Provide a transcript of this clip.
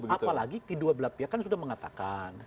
apalagi kedua belah pihak kan sudah mengatakan